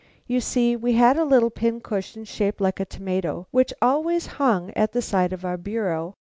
You see, we had a little pin cushion shaped like a tomato which always hung at the side of our bureau.